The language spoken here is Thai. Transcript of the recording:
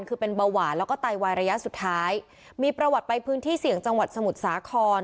คือเป็นเบาหวานแล้วก็ไตวายระยะสุดท้ายมีประวัติไปพื้นที่เสี่ยงจังหวัดสมุทรสาคร